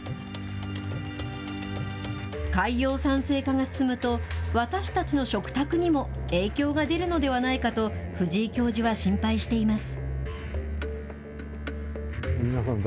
海洋酸性化が進むと、私たちの食卓にも影響が出るのではないかと藤井教授は心配しています。